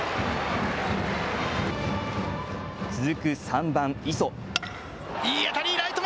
続く３番・磯。